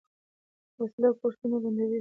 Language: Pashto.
وسله کورسونه بندوي